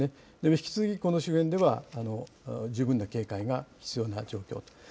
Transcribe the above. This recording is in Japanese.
引き続き、この周辺では十分な警戒が必要な状況。